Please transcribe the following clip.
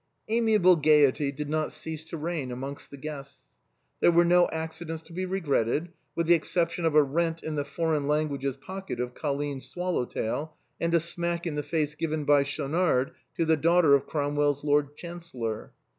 Amiable gaiety did not cease to reign amongst the guests. There were no accidents to be regretted, with the exception of a rent in the foreign languages pocket of Colline's swallow tail and a smack in the face given by Schaunard to the daughter of Cromwell's Lord Chancellor.